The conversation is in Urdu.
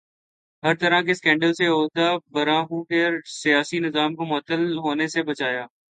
ہر طرح کے سکینڈل سے عہدہ برا ہو کر سیاسی نظام کو معطل ہونے سے بچایا